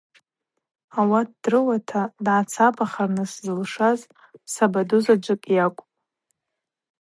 Ауат дрыуата дгӏацапахырныс зылшаз сабадузаджвыкӏ йакӏвпӏ.